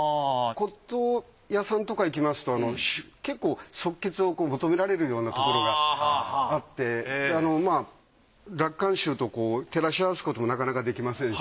骨董屋さんとか行きますと結構即決を求められるようなところがあってまあ落款集とこう照らし合わすこともなかなかできませんし。